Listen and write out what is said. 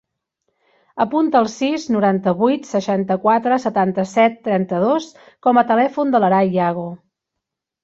Apunta el sis, noranta-vuit, seixanta-quatre, setanta-set, trenta-dos com a telèfon de l'Aray Yago.